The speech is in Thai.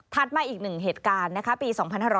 ถัดมาอีกหนึ่งเหตุการณ์ปี๒๕๕๐